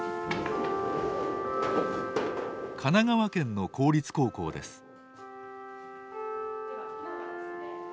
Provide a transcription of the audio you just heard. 神奈川県の公立高校です。